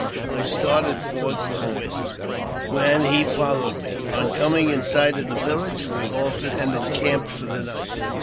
I started forthwith, and he followed me. On coming in sight of the village, we halted and encamped for the night.